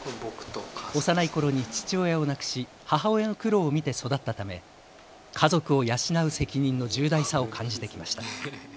幼いころに父親を亡くし母親の苦労を見て育ったため家族を養う責任の重大さを感じてきました。